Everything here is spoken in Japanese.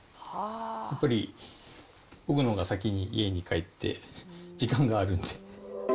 やっぱり、僕のほうが先に家に帰って、時間があるんで。